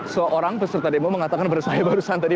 seorang peserta demo mengatakan pada saya barusan tadi